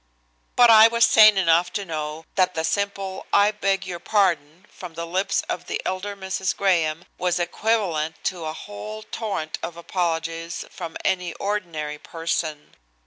But I was sane enough to know that the simple "I beg your pardon" from the lips of the elder Mrs. Graham was equivalent to a whole torrent of apologies from any ordinary person.